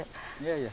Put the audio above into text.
いや！